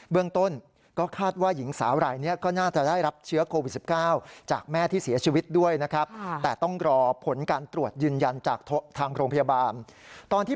เบื้องต้นก็คาดว่ายหงสาวไหล่เนี่ยก็น่าจะได้รับเชื้อโกวี๑๙